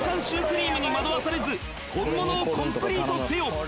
シュークリームに惑わされず本物をコンプリートせよ！